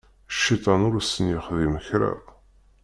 Cciṭan ur sen-yexdim kra.